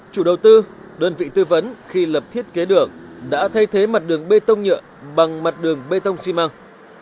chủ đầu tư đơn vị tư vấn khi lập thiết kế đường đã thay thế mặt đường bê tông nhựa bằng mặt đường bê tông xi măng